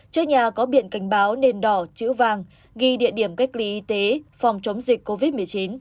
trước nhà có biển cảnh báo nền đỏ chữ vàng ghi địa điểm cách ly y tế phòng chống dịch covid một mươi chín